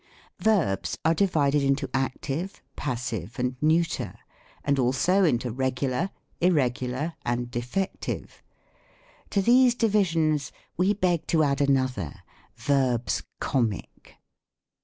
Verbs are divided into Active, Passive, and Neuter ; and also into Regular, Irregular, and Defective. To these divisions we beg to add another ; Verbs Comic.